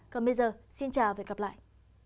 còn bây giờ xin chào và hẹn gặp lại